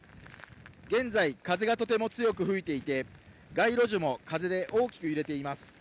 現在、風がとても強く吹いていて、街路樹も風で大きく揺れています。